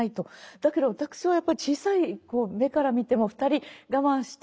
だけど私はやっぱり小さい目から見ても２人我慢して。